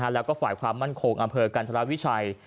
แล้วก็ฝ่ายความมั่นคงอำเภอกันธรวิชัย